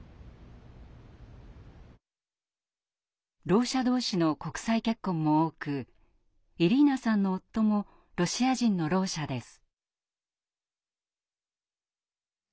ろう者同士の国際結婚も多くイリーナさんの夫もロシア人のろう者です。